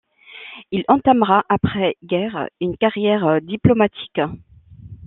Il entamera, après guerre, une carrière diplomatique.